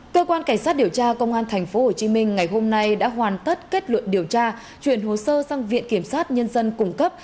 cơ quan cảnh sát điều tra công an tp hcm ngày hôm nay đã hoàn tất kết luận điều tra chuyển hồ sơ sang viện kiểm sát nhân dân cung cấp